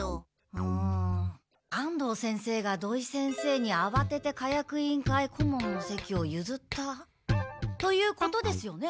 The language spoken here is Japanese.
うん安藤先生が土井先生にあわてて火薬委員会顧問の席をゆずったということですよね？